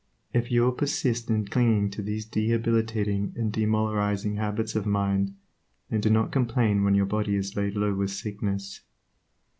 If you will persist in clinging to these debilitating and demoralizing habits of mind, then do not complain when your body is laid low with sickness.